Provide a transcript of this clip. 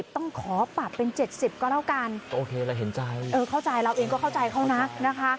ต้องขอปรับเป็น๗๐ก็แล้วกันเข้าใจเราเองก็เข้าใจเขานะนะคะ